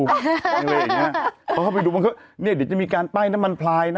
เพราะเข้าไปดูบางคนเนี่ยเดี๋ยวจะมีการป้ายน้ำมันพลายนะ